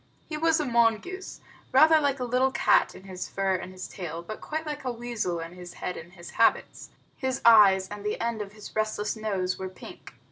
He was a mongoose, rather like a little cat in his fur and his tail, but quite like a weasel in his head and his habits. His eyes and the end of his restless nose were pink.